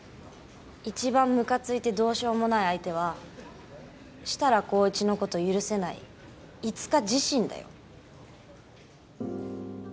一番ムカついてどうしようもない相手は設楽紘一の事を許せないいつか自身だよ。